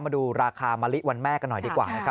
มาดูราคามะลิวันแม่กันหน่อยดีกว่านะครับ